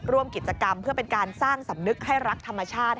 ร่วมกิจกรรมเพื่อเป็นการสร้างสำนึกให้รักธรรมชาติ